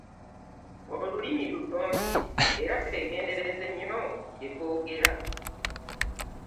Olulimi lutonzi era twegendereze nnyo bye twogera.